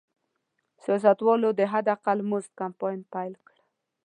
سیاستوالو د حداقل مزد کمپاین پیل کړ.